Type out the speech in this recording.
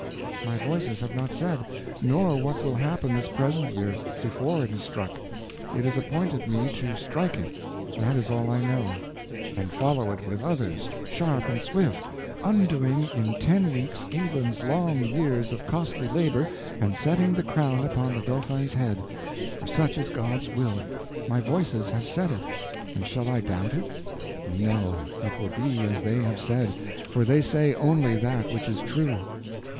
"My Voices have not said; nor what will happen this present year, before it is struck. It is appointed me to strike it, that is all I know; and follow it with others, sharp and swift, undoing in ten weeks England's long years of costly labor, and setting the crown upon the Dauphin's head—for such is God's will; my Voices have said it, and shall I doubt it? No; it will be as they have said, for they say only that which is true."